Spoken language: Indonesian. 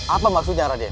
apa maksudnya raden